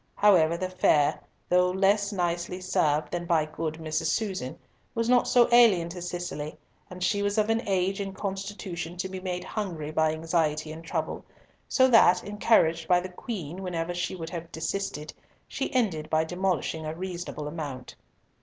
However, the fare, though less nicely served than by good Mrs. Susan, was not so alien to Cicely, and she was of an age and constitution to be made hungry by anxiety and trouble, so that—encouraged by the Queen whenever she would have desisted—she ended by demolishing a reasonable amount.